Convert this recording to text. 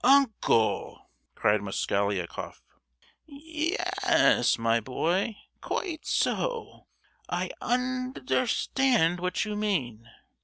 "Uncle!" cried Mosgliakoff. "Ye—yes, my boy, quite so; I un—derstand what you mean.